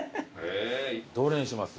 どれにします？